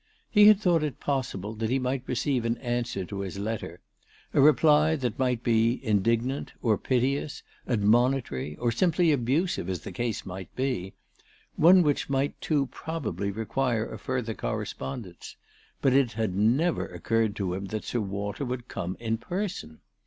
He had thought it pos sible that he might receive an answer to his letter, a reply that might be indignant, or piteous, admonitory, or simply abusive, as the case might be, one which might too probably require a further correspondence ; but it had never occurred to him that Sir Walter would come in person.